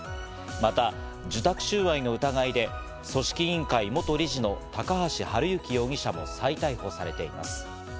また受託収賄の疑いで組織委員会元理事の高橋治之容疑者も再逮捕されています。